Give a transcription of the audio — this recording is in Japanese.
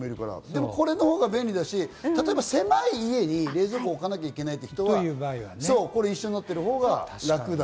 でも、これのほうが便利だし、例えば狭い部屋に冷蔵庫を置かなきゃいけない人は一緒になってるほうが楽。